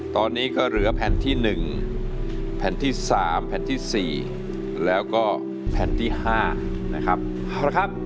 ตอนนี้ก็เหลือแผ่นที่๑แผ่นที่๓แผ่นที่๔แล้วก็แผ่นที่๕นะครับเอาละครับ